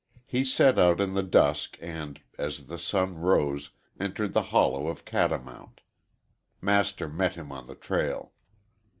He set out in the dusk and, as the sun rose, entered the hollow of Catamount. Master met him on the trail.